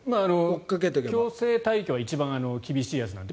強制退去は一番厳しいやつなので。